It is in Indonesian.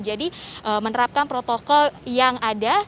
jadi menerapkan protokol yang ada